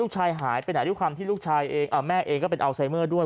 หายไปไหนด้วยความที่ลูกชายเองแม่เองก็เป็นอัลไซเมอร์ด้วย